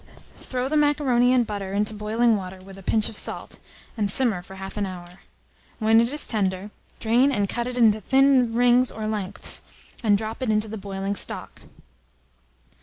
Throw the macaroni and butter into boiling water, with a pinch of salt, and simmer for 1/2 an hour. When it is tender, drain and cut it into thin rings or lengths, and drop it into the boiling stock.